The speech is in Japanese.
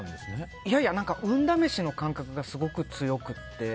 いやいや、運試しの感覚がすごく強くて。